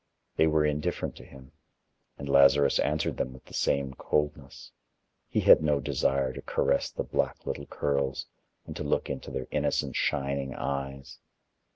They were indifferent to him, and Lazarus answered them with the same coldness; he had no desire to caress the black little curls, and to look into their innocent shining eyes.